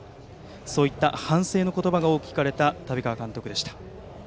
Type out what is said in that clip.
そういった反省の言葉が多く聞かれた旅川監督でした。